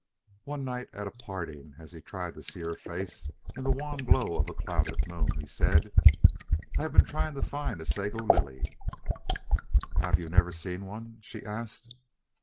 One night at parting, as he tried to see her face in the wan glow of a clouded moon, he said: "I've been trying to find a sago lily." "Have you never seen one?" she asked.